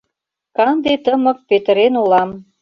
Канде тымык петырен олам.